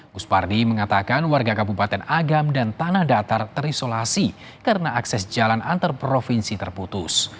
gus pardi mengatakan warga kabupaten agam dan tanah datar terisolasi karena akses jalan antar provinsi terputus